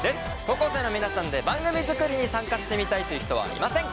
高校生の皆さんで番組作りに参加してみたいという人はいませんか？